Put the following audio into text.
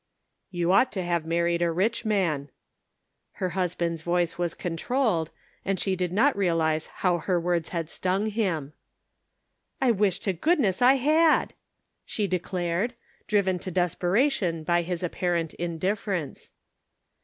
"You ought to have married a rich man." Her husband's voice was controlled, and she did not realize how her words had stung him. "I wish to goodness I had," she declared, driven to desperation by his apparent indif ference.